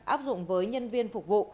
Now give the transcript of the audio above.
áp dụng với nhân viên phục vụ